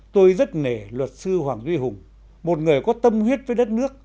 tôi rất nề luật sư hoàng duy hùng một người có tâm huyết với đất nước